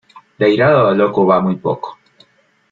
De airado a loco va muy poco.